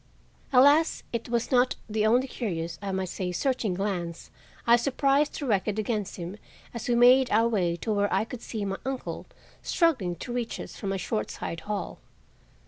Alas! it was not the only curious, I might say searching glance I surprised directed against him as we made our way to where I could see my uncle struggling to reach us from a short side hall.